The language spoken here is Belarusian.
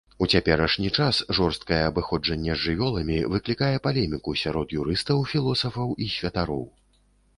У цяперашні час жорсткае абыходжанне з жывёламі выклікае палеміку сярод юрыстаў, філосафаў і святароў.